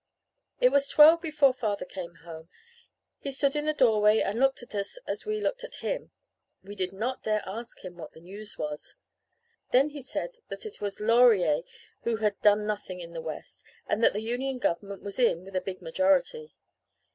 "It was twelve before father came home. He stood in the doorway and looked at us and we looked at him. We did not dare ask him what the news was. Then he said that it was Laurier who had 'done nothing' in the West, and that the Union Government was in with a big majority.